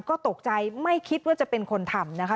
ก็ตกใจไม่คิดว่าจะเป็นคนทำนะคะ